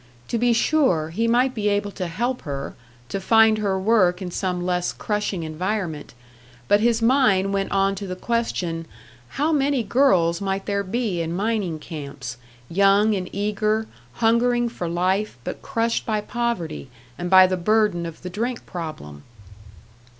To be sure, he might be able to help her, to find her work in some less crushing environment; but his mind went on to the question how many girls might there be in mining camps, young and eager, hungering for life, but crushed by poverty, and by the burden of the drink problem?